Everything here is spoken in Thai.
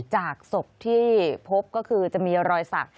จากศพที่พบก็คือจะมีรอยสัก